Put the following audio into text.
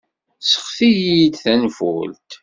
Sɣet-iyi-d tanfult.